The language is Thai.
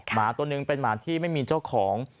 หมาตัวหนึ่งเป็นหมาที่ไม่มีเจ้าของ